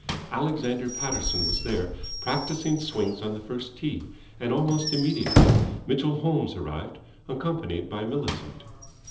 Alexander Paterson was there, practising swings on the first tee; and almost immediately Mitchell Holmes arrived, accompanied by Millicent.